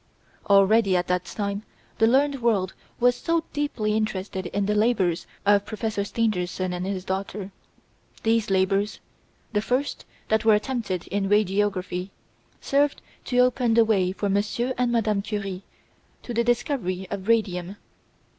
Already, at that time, the learned world was deeply interested in the labours of Professor Stangerson and his daughter. These labours the first that were attempted in radiography served to open the way for Monsieur and Madame Curie to the discovery of radium.